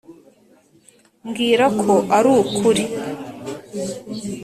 mbwira ko arukuri